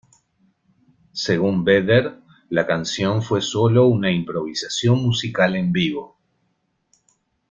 Según Vedder, la canción fue sólo una improvisación musical en vivo.